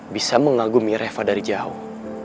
bisa mengagumi reva dari jauh